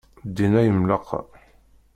Din ay nemlaqa.